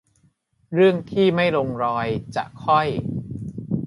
เรื่องที่ไม่ลงรอยจะค่อย